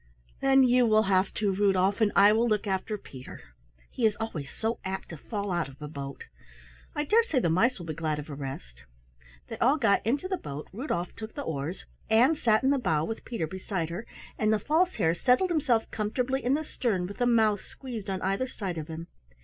"Then you will have to, Rudolf, and I will look after Peter. 'He is always so apt to fall out of a boat. I dare say the mice will be glad of a rest." They all got into the boat, Rudolf took the oars, Ann sat in the bow with Peter beside her, and the False Hare settled himself comfortably in the stern with a mouse squeezed on either side of him.